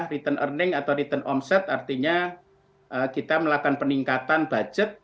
return earning atau return omset artinya kita melakukan peningkatan budget